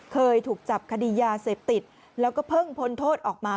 เคยถูกจับคดียาเสพติดแล้วก็เพิ่งพ้นโทษออกมา